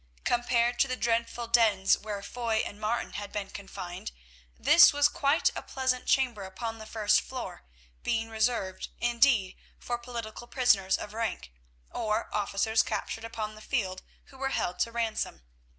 Compared to the dreadful dens where Foy and Martin had been confined this was quite a pleasant chamber upon the first floor, being reserved, indeed, for political prisoners of rank, or officers captured upon the field who were held to ransom.